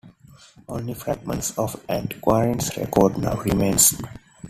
Only fragments of antiquarians' records now remain.